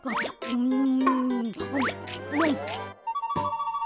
うん？